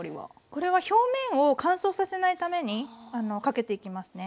これは表面を乾燥させないためにかけていきますね。